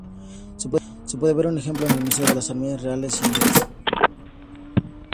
Se puede ver un ejemplar en el Museo de las Armerías Reales, en Leeds.